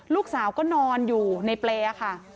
ลูกสาวก็นอนอยู่ในเปรย์ค่ะ